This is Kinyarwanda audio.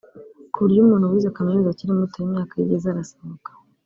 ku buryo umuntu wize kaminuza akiri muto iyo imyaka ye igeze arasohoka